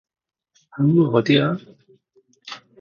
항구가 어디야?